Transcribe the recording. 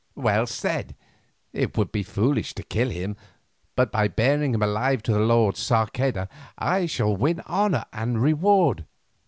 "Well said. It would be foolish to kill him, but by bearing him alive to the lord Sarceda, I shall win honour and reward.